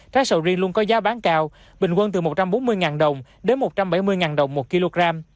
trái sầu riêng luôn có giá bán cao bình quân từ một trăm bốn mươi đồng đến một trăm bảy mươi đồng một kg